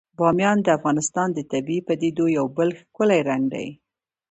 بامیان د افغانستان د طبیعي پدیدو یو بل ښکلی رنګ دی.